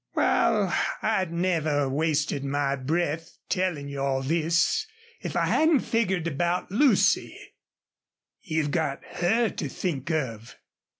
"Wal, I'd never wasted my breath tellin' you all this if I hadn't figgered about Lucy. You've got her to think of."